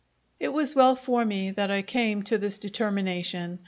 It was well for me that I came to this determination.